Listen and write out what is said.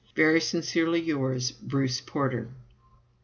Very sincerely yours, BRUCE PORTER.